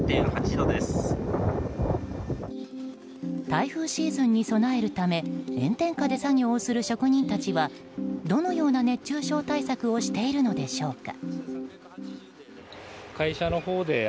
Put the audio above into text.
台風シーズンに備えるため炎天下で作業する職人たちはどのような熱中症対策をしているのでしょうか？